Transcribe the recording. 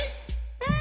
うん？